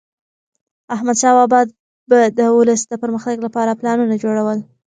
احمدشاه بابا به د ولس د پرمختګ لپاره پلانونه جوړول.